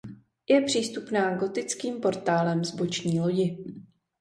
Je přístupná gotickým portálem z boční lodi.